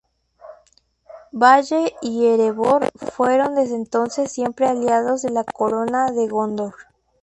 Valle y Erebor fueron desde entonces siempre aliados de la corona de Gondor.